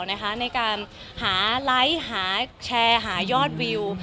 ในการหาไลค์หาแชร์หายอดวิว